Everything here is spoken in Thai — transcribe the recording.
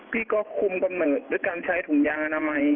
พี่ก็คุมกันเหมือนด้วยการใช้ถุงยางอนามัย